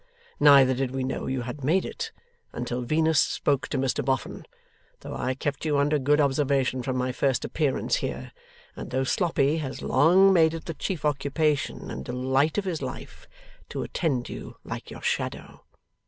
Neither did we know you had made it, until Venus spoke to Mr Boffin, though I kept you under good observation from my first appearance here, and though Sloppy has long made it the chief occupation and delight of his life, to attend you like your shadow.